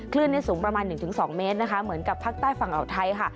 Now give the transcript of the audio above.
คลื่นสูงประมาณ๑๒เมตรนะคะเหมือนกับภาคใต้ฝั่งอ่าวไทยค่ะ